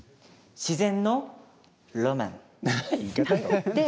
自然のロマン！